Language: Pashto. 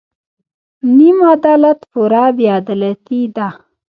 نیم عدالت پوره بې عدالتي ده.